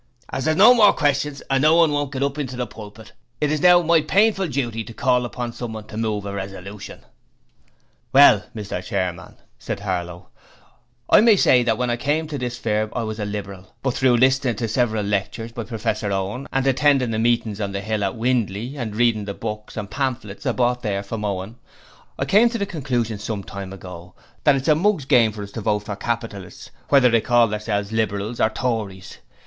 'As there's no more questions and no one won't get up into the pulpit, it is now my painful duty to call upon someone to move a resolution.' 'Well, Mr Chairman,' said Harlow, 'I may say that when I came on this firm I was a Liberal, but through listenin' to several lectures by Professor Owen and attendin' the meetings on the hill at Windley and reading the books and pamphlets I bought there and from Owen, I came to the conclusion some time ago that it's a mug's game for us to vote for capitalists whether they calls theirselves Liberals or Tories.